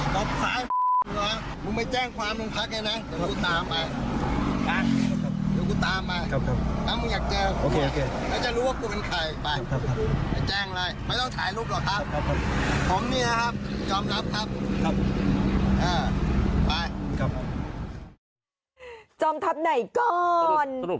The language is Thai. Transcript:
ครับผมดั๊ยครับจอมทัพครับ